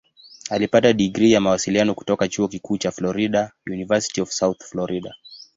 Alipata digrii ya Mawasiliano kutoka Chuo Kikuu cha Florida "University of South Florida".